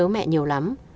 mẹ nhiều lắm